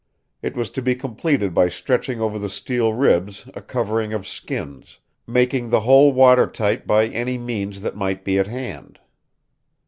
It was to be completed by stretching over the steel ribs a covering of skins, making the whole water tight by any means that might be at hand.